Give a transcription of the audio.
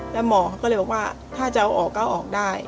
แล้วหมอก็เลยบอกว่าถ้าจะเอาออกก็ออกได้